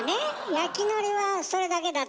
焼きのりはそれだけだとね。